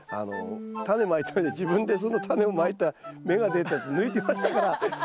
タネまいたのに自分でそのタネをまいた芽が出たやつ抜いてましたから似てますよ。